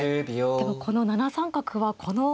でもこの７三角はこの。